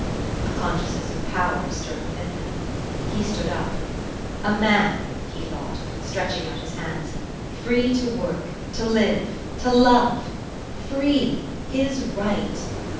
A consciousness of power stirred within him. He stood up. A man, he thought, stretching out his hands, free to work, to live, to love! Free! His right!